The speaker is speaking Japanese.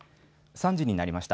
３時になりました。